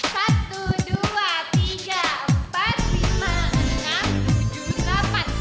satu dua tiga empat lima enam tujuh delapan